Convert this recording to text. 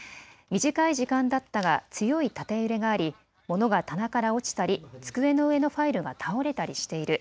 短い時間だったが強い縦揺れがあり、物が棚から落ちたり机の上のファイルが倒れたりしている。